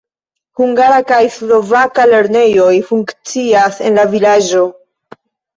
Hungara kaj slovaka lernejoj funkcias en la vilaĝo.